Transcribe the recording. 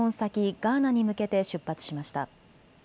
ガーナに向けて出発しました。